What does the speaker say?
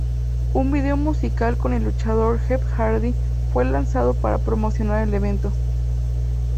Un video musical con el luchador Jeff Hardy fue lanzado para promocionar el evento.